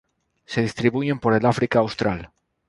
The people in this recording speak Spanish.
Se distribuyen por el África Austral.